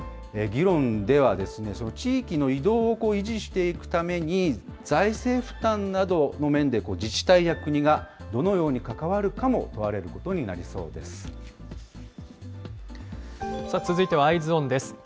議論では、地域の移動を維持していくために、財政負担などの面で自治体や国がどのように関わるかも問われるこ続いてはＥｙｅｓｏｎです。